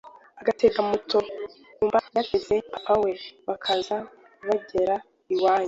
agatega moto kumbe yateze papa wawe bakaza bagera iwanyu